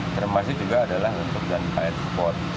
termasuk juga adalah untuk dan air support